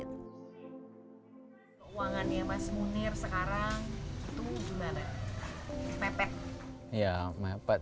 keuangan ya mas munir sekarang itu gimana pepet